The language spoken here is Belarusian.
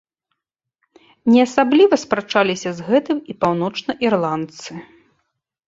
Не асабліва спрачаліся з гэтым і паўночнаірландцы.